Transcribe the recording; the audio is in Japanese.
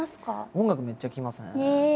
音楽めっちゃ聴きますね。